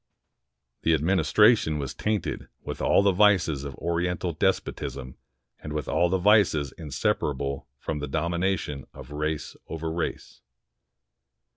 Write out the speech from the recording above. The administration was tainted with all the vices of Oriental despotism and with all the vices inseparable from the domination of race over race.